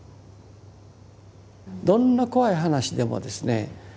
どんな怖い話でもですね